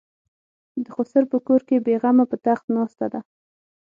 د خسر په کور کې بې غمه په تخت ناسته ده.